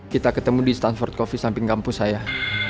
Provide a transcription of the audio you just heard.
kita ketemu di stanford coffee samping kampus saya